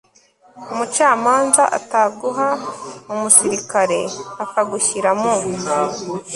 umucamanza ataguha umusirikare akagushyira mu